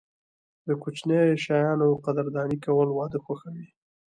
د کوچنیو شیانو قدرداني کول، واده خوښوي.